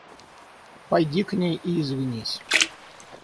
Пойди к ней и извинись.